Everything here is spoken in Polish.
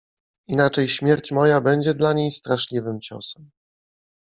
Inaczej śmierć moja będzie dla niej straszliwym ciosem.